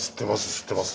知ってます。